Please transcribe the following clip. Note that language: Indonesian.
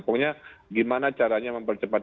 pokoknya gimana caranya mempercepat